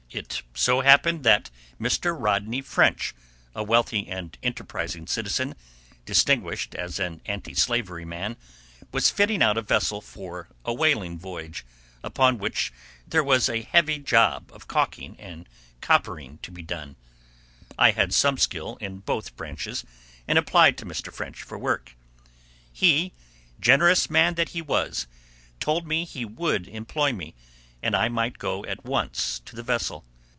It so happened that Mr. Rodney French, a wealthy and enterprising citizen, distinguished as an anti slavery man, was fitting out a vessel for a whaling voyage, upon which there was a heavy job of calking and coppering to be done. I had some skill in both branches, and applied to Mr. French for work. He, generous man that he was, told me he would employ me, and I might go at once to the vessel.